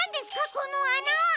このあな！